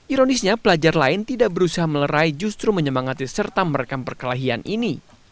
ironisnya pelajar lain tidak berusaha melerai justru menyemangati serta merekam perkelahian ini